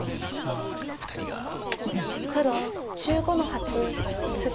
黒１５の八ツギ。